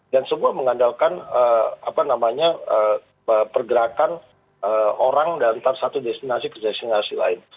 dan semua mengandalkan apa namanya pergerakan orang antara satu destinasi ke destinasi lain